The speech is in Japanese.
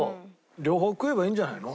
両方食えばいいんじゃないの？